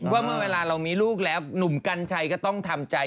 ว่าเมื่อเวลาเรามีลูกแล้วหนุ่มกัญชัยก็ต้องทำใจ